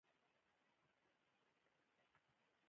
یو وړوکی څرخ یې راکړ، دا ځل چې مې.